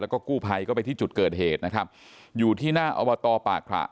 แล้วก็กู้ภัยก็ไปที่จุดเกิดเหตุนะครับอยู่ที่หน้าอบตป่าขระ